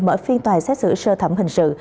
mở phiên tòa xét xử sơ thẩm hình sự